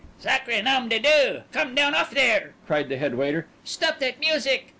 "Sacré nom de Dieu! Come down off there!" cried the head waiter. "Stop that music!"